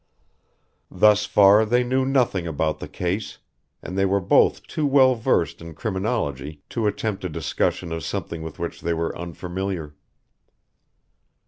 Thus far they knew nothing about the case, and they were both too well versed in criminology to attempt a discussion of something with which they were unfamiliar.